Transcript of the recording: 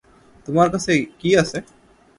তোমার কাছে কি আছে?